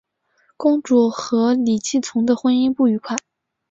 公主和李继崇的婚姻不愉快。